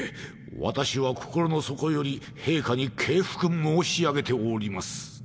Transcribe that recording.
私は心の底より陛下に敬服申し上げております。